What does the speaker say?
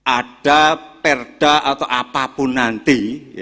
ada perda atau apapun nanti